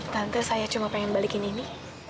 tante saya cuma pengen balikin ini